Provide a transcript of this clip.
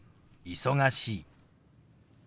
「忙しい」。